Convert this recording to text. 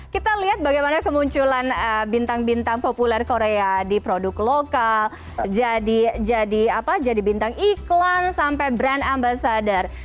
kita lihat bagaimana kemunculan bintang bintang populer korea di produk lokal jadi bintang iklan sampai brand ambasador